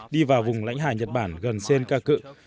đi vào vùng lãnh hải nhật bản gần senkaku